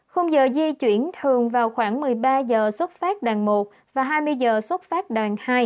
khung giờ di chuyển thường vào khoảng một mươi ba giờ xuất phát đoàn một và hai mươi giờ xuất phát đoàn hai